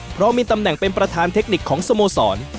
เพราะมีตำแหน่งเป็นประธานเทคนิคของสโมสร